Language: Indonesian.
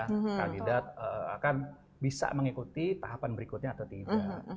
karena kandidat akan bisa mengikuti tahapan berikutnya atau tidak